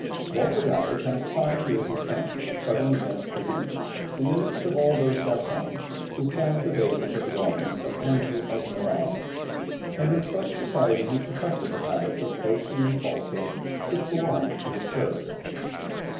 Walter Raleigh passed five years in France fighting against the League, in the midst of all those Gascons who formed the basis of the armies of Henry of Navarre, and in such society he perfected the habits of boasting and falsehood which belonged to his character.